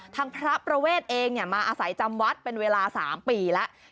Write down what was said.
ทางพระประเวทเองมาอาศัยจำวัดเป็นเวลา๓ปีแล้ว